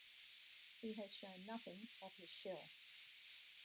He has shown nothing but his shell.